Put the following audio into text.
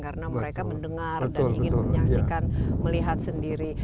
karena mereka mendengar dan ingin menyaksikan melihat sendiri